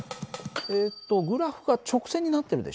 えっとグラフが直線になってるでしょ。